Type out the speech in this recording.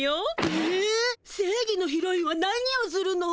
ええ正義のヒロインは何をするの？